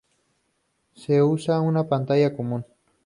Se usa una pantalla común.